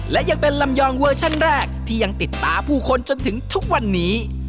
และยังเป็นลำยองเวอร์ชั่นแรกที่ยังติดตาผู้คนจนถึงทุกวันนี้